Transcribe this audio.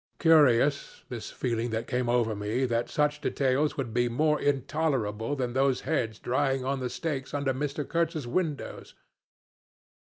Curious, this feeling that came over me that such details would be more intolerable than those heads drying on the stakes under Mr. Kurtz's windows.